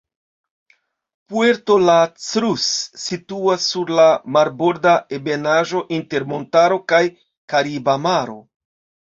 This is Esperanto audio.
Puerto la Cruz situas sur la marborda ebenaĵo inter montaro kaj Kariba Maro.